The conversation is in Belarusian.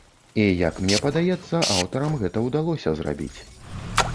І як мне падаецца, аўтарам гэта ўдалося зрабіць.